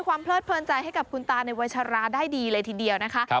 เพลิดเพลินใจให้กับคุณตาในวัยชราได้ดีเลยทีเดียวนะคะ